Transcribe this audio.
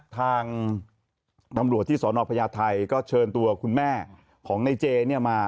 ทางตำรวจที่สนพญาไทยก็เชิญตัวคุณแม่ของในเจเนี่ยมา